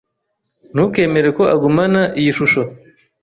Ntukemere ko agumana iyi shusho.